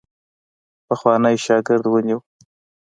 پخوانی شاګرد ونیوی.